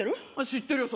知ってるよ